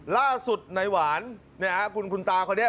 ล่าสุดนายหวานคุณคุณตาพอเนี่ย